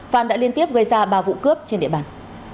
phan đã liên tiếp gây ra ba vụ cướp trên địa bàn